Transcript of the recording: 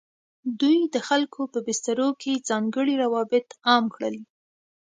دوی د خلکو په بسترو کې ځانګړي روابط عام کړل.